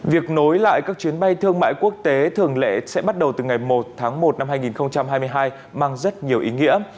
việc nối lại các chuyến bay thương mại quốc tế thường lệ sẽ bắt đầu từ ngày một tháng một năm hai nghìn hai mươi hai mang rất nhiều ý nghĩa